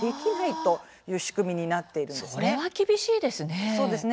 それは厳しいですね。